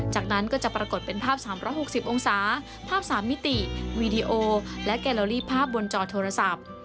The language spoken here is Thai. จากนั้นก็จะปรากฏเป็นภาพ๓๖๐องศาภาพ๓มิติวีดีโอและแกลอรี่ภาพบนจอโทรศัพท์